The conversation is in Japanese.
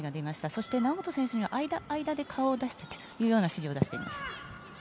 そして猶本選手には間、間で顔を出せという指示を出しています。